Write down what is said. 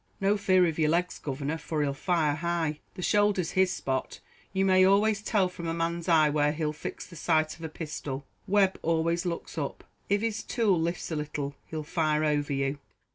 "No fear of your legs, governor, for he'll fire high. The shoulder's his spot; you may always tell from a man's eye where he'll fix the sight of a pistol. Webb always looks up. If his tool lifts a little, he'll fire over you."